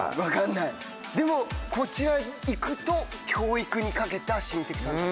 でもこっち側いくと教育にかけた親戚さんたち。